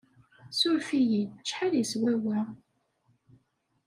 Ssuref-iyi, acḥal yeswa wa?